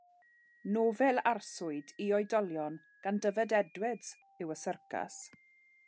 Nofel arswyd i oedolion gan Dyfed Edwards yw Y Syrcas.